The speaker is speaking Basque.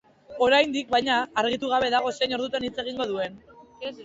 Oraindik, baina, argitu gabe dago zein ordutan hitz egingo duen.